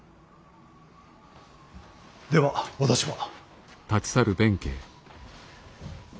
では私は。